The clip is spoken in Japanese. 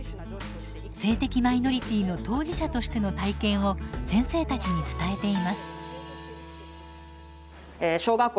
性的マイノリティーの当事者としての体験を先生たちに伝えています。